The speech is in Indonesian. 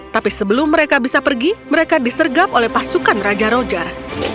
tapi sebelum mereka bisa pergi mereka disergap oleh pasukan raja roger